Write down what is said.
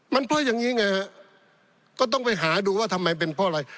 มันเพราะอย่างนี้ไงฮะก็ต้องไปหาดูว่าทำไมเป็นเพราะอะไร